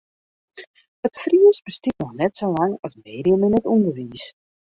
It Frysk bestiet noch net sa lang as medium yn it ûnderwiis.